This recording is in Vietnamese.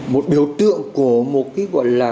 một biểu tượng của một cái gọi là